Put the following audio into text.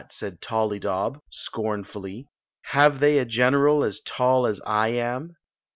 " said Tollydob, scorn fully; "have they a general as tall as I am?"